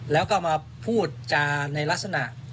แล้วก็มาพูดจาในลักษณะ